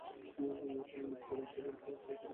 তিনি মৃত্যুর আগপর্যন্ত বহন করেছিলেন।